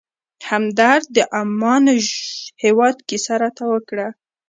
همدرد د عمان هېواد کیسه راته وکړه.